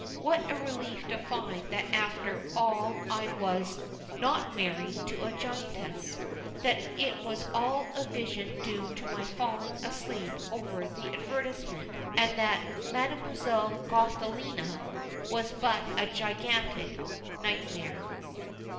what a relief to find that after all I was not married to a giantess, that it was all a vision due to my falling asleep over the advertisement, and that Mdlle. Goliathina was but a gigantic nightmare.